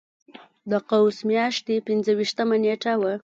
د قوس میاشتې پنځه ویشتمه نېټه وه.